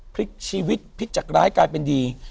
พลิกชีวิตพลิกจากร้ายกลายเป็นดี